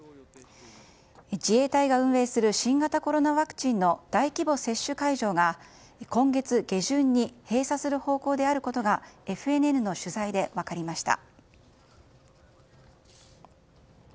自衛隊が運営する新型コロナワクチンの大規模接種会場が、今月下旬に閉鎖する方向であることがＦＮＮの取材で分かりました。